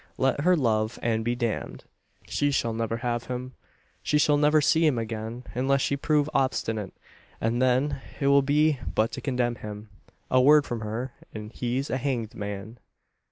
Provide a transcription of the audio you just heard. Let her love and be damned! She shall never have him. She shall never see him again, unless she prove obstinate; and then it will be but to condemn him. A word from her, and he's a hanged man.